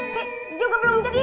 saya juga belum jadi ya